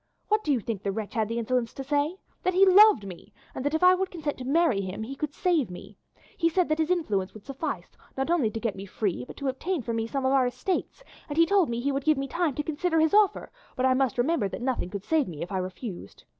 What do you think the wretch had the insolence to say? That he loved me, and that if I would consent to marry him he could save me. He said that his influence would suffice, not only to get me free, but to obtain for me some of our estates, and he told me he would give me time to consider his offer, but that I must remember that nothing could save me if I refused.